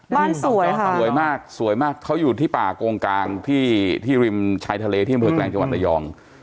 บ้านสวยค่ะอร่อยมากเขาอยู่ที่ป่ากงกลางที่ที่ริมชายทะเลที่มาเผอกแหลงจังหวัดตะยอง